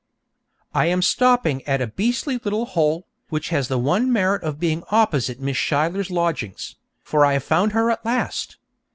I am stopping at a beastly little hole, which has the one merit of being opposite Miss Schuyler's lodgings, for I have found her at last.